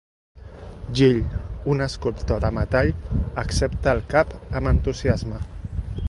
Jill, un escultor de metall, accepta el cap amb entusiasme.